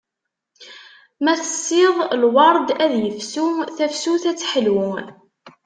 Ma tessiḍ lward ad yefsu, tafsut ad teḥlu.